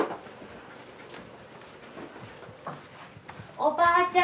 おばあちゃん。